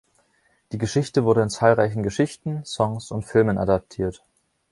Die Geschichte wurde in zahlreichen Geschichten, Songs und Filmen adaptiert.